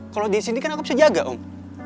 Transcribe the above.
kalau di sini kan aku bisa jaga om